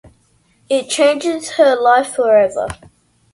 It changes her life forever.